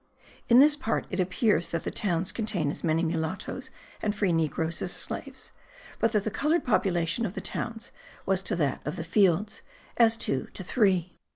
In this part it appears that the towns contained as many mulattos and free negroes as slaves, but that the coloured population of the towns was to that of the fields as two to three.